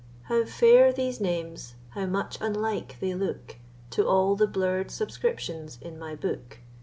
How fair these names, how much unlike they look To all the blurr'd subscriptions in my book!